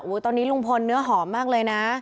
ตอนนี้ลุงพลเนื้อหอมมากเลยนะ